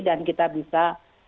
dan kita bisa